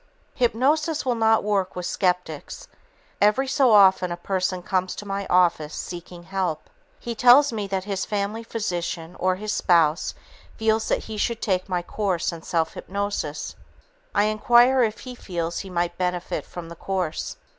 Hypnosis will not work with skeptics. Every so often such a person comes to my office seeking help. He tells me that his family physician or his spouse feels he should take my course in self hypnosis. I inquire if he feels he might benefit from the course.